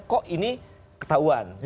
kok ini ketahuan